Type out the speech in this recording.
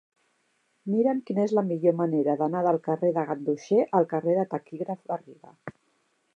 Mira'm quina és la millor manera d'anar del carrer de Ganduxer al carrer del Taquígraf Garriga.